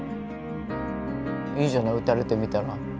いいじゃない打たれてみたら。